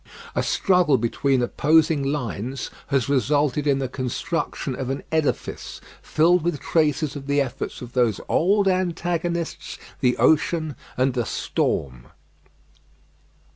A struggle between opposing lines has resulted in the construction of an edifice, filled with traces of the efforts of those old antagonists, the ocean and the storm.